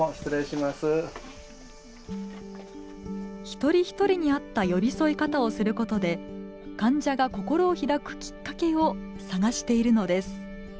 一人一人に合った寄り添い方をすることで患者が心を開くきっかけを探しているのです。